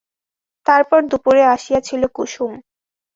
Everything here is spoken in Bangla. তারপর দুপুরে আসিয়াছিল কুসুম।